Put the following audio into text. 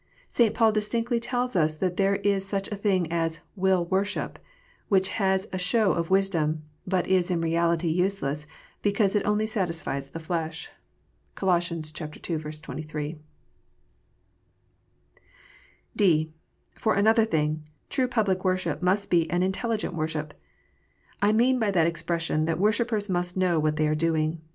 St. Paul distinctly tells us that there is such a thing as "will worship," which has a "show of wisdom," but is in reality useless, because it only "satisfies the flesh." (Col. ii. 23.) (d) For another thing, true public worship must be an intelligent worship. I mean by that expression that worshippers must know what they are doing.